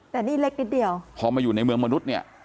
แต่นี่เล็กนิดเดียวพอมาอยู่ในเมืองมนุษย์เนี่ย